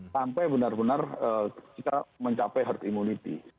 sampai benar benar kita mencapai herd immunity